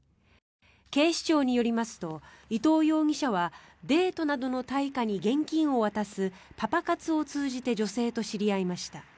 警視庁によりますと伊藤容疑者はデートなどの対価に現金を渡すパパ活を通じて女性と知り合いました。